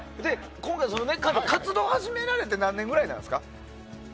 活動を始められて何年ぐらいですか。